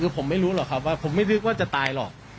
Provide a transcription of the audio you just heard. คือผมไม่รู้หรอกครับว่าผมไม่นึกว่าจะตายหรอก